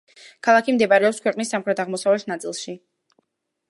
ქალაქი მდებარეობს ქვეყნის სამხრეთ-აღმოსავლეთ ნაწილში.